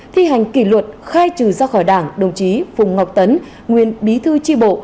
thi hành kỷ luật khai trừ ra khỏi đảng đồng chí phùng ngọc tấn nguyên bí thư tri bộ